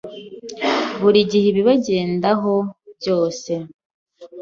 buri gihe ibibagendaho byose